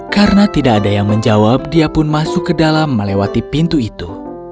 karena tidak ada yang menjawab dia pun masuk ke dalam melewati pintu itu